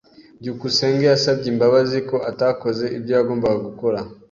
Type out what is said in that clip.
byukusenge yasabye imbabazi ko atakoze ibyo yagombaga gukora.